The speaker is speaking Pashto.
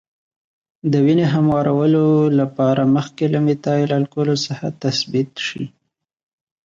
د وینې هموارولو لپاره مخکې له میتایل الکولو څخه تثبیت شي.